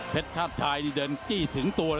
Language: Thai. เจ้าจ้าชายระเดินกลัวที่ถึงตัวครับ